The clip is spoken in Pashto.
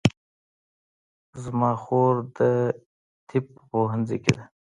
زما خور د طب په پوهنځي کې ده